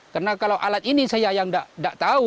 karena kalau alat ini saya yang dapat